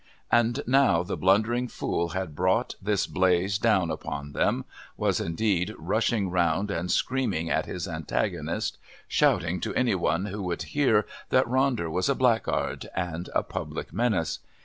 And now the blundering fool had brought this blaze down upon them, was indeed rushing round and screaming at his antagonist, shouting to any one who would hear that Ronder was a blackguard and a public menace.